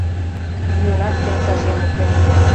Йӱынат темшашем уке